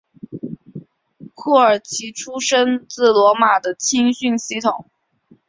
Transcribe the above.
库尔奇出身自罗马的青训系统。